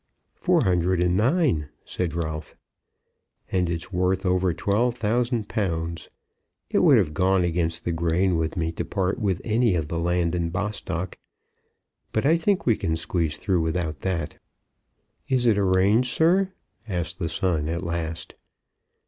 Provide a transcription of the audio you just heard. "Four hundred and nine," said Ralph. "And it's worth over twelve thousand pounds. It would have gone against the grain with me to part with any of the land in Bostock; but I think we can squeeze through without that." "Is it arranged, sir?" asked the son at last.